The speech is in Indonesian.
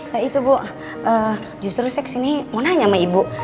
hei itu bu justru saya ke sini mau nanya sama ibu